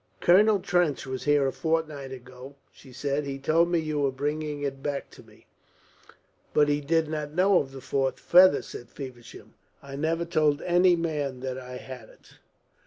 "Colonel Trench was here a fortnight ago," she said. "He told me you were bringing it back to me." "But he did not know of the fourth feather," said Feversham. "I never told any man that I had it."